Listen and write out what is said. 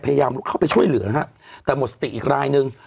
พยายามลุกเข้าไปช่วยเหลือฮะแต่หมดสติอีกรายนึง